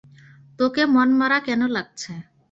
তোকে মনমরা কেন লাগছে?